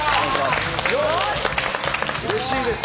うれしいです。